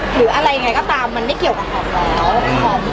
หรืออะไรยังไงก็ตามมันไม่เกี่ยวกับหอมแล้วหอม